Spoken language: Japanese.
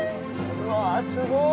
うわー、すごい！